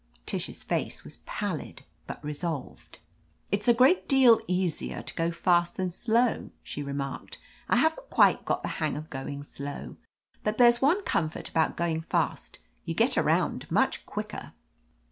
^ Tish's face was pallid but resolved. "It's a great deal easier to go fast than slow," she remarked. "I haven't quite got the 225 THE AMAZING ADVENTURES hang of going slow. But there's one comfort about going fast: you get around much quicker."